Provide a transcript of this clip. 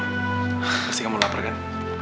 pasti kamu lapar kan